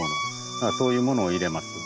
そういうものを入れます。